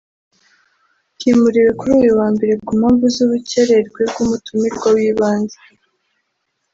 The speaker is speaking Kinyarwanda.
kimuriwe kuri uyu wa Mbere ku mpamvu z’ubucyererwe bw’umutumirwa w’ibanze